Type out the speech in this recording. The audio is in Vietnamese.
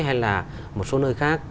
hay là một số nơi khác